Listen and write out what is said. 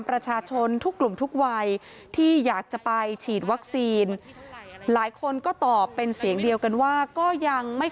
ประชาชนทุกกลุ่มทุกวัย